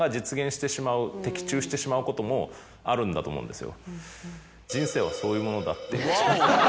的中してしまうこともあるんだと思うんですよ。